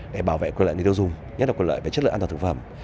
để bảo vệ quyền lợi người tiêu dùng nhất là quyền lợi về chất lượng an toàn thực phẩm